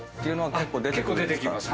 結構出てきます。